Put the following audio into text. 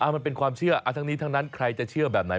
มันเป็นความเชื่อทั้งนี้ทั้งนั้นใครจะเชื่อแบบไหน